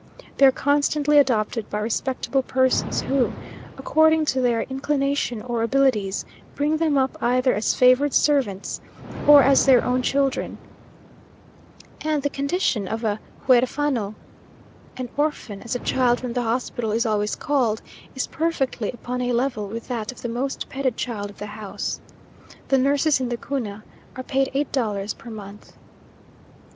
They are constantly adopted by respectable persons, who, according to their inclination or abilities, bring them up either as favoured servants, or as their own children; and the condition of a "huérfano," an orphan, as a child from the hospital is always called, is perfectly upon a level with that of the most petted child of the house. The nurses in the Cuna are paid eight dollars per month.